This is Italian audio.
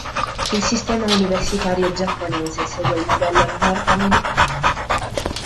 Il sistema universitario giapponese segue il modello nord-americano.